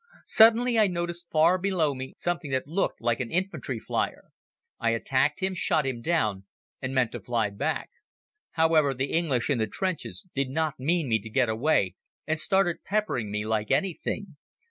Suddenly I noticed far below me something that looked like an infantry flier. I attacked him, shot him down, and meant to fly back. However, the English in the trenches did not mean me to get away and started peppering me like anything.